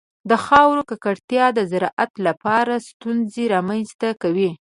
د خاورې ککړتیا د زراعت لپاره ستونزې رامنځته کوي.